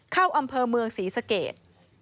เข้าอำเภอเมืองศรีสเกต